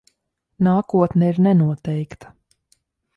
Nākotne ir nenoteikta.